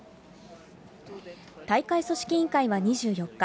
大会組織委員会は２４日、